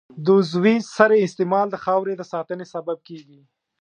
د عضوي سرې استعمال د خاورې د ساتنې سبب کېږي.